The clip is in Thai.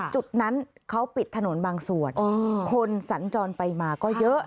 จุดนั้นเขาปิดถนนบางส่วนคนสัญจรไปมาก็เยอะ